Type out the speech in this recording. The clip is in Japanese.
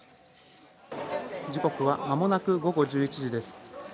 時刻はまもなく午後１１時です。